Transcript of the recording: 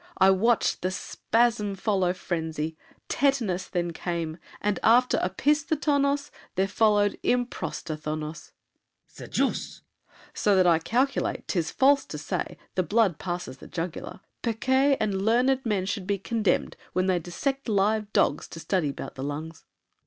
I watched The spasm follow frenzy; tetanos Then came, and after opisthotonos There followed improstathonos. LAFFEMAS. The deuce! SAVERNY. So that I calculate 'tis false to say The blood passes the jugular. Pequet And learned men should be condemned when they Dissect live dogs to study 'bout the lungs.